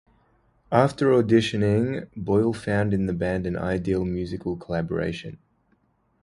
After auditioning, Boyle found in the band an ideal musical collaboration.